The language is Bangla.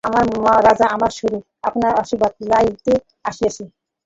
আপনি আমার রাজা, আমার গুরু, আপনার আশীর্বাদ লইতে আসিয়াছি।